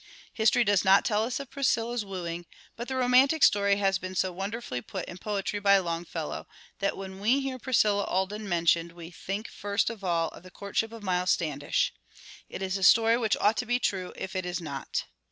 History does not tell us of Priscilla's wooing, but the romantic story has been so wonderfully put in poetry by Longfellow that when we hear Priscilla Alden mentioned we think first of all of "The Courtship of Miles Standish." It is a story which ought to be true, if it is not.